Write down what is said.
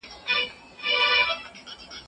که زر دې بايلل زرزري سالو لرمه